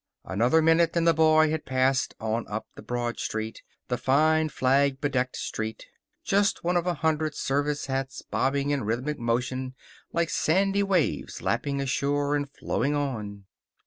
Another minute and the boy had passed on up the broad street the fine, flag bedecked street just one of a hundred service hats bobbing in rhythmic motion like sandy waves lapping a shore and flowing on.